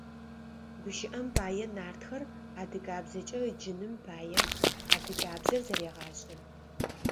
ГущыӀэм пае, «Нартхэр» адыгабзэкӏэ ыджыным пае адыгабзэр зэрегъашӀэ.